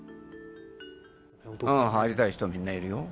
入りたい人、みんないるよ。